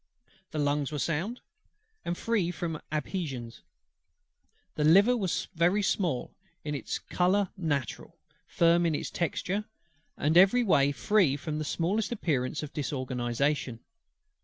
The lungs were sound, and free from adhesions. The liver was very small, in its colour natural, firm in its texture, and every way free from the smallest appearance of disorganization.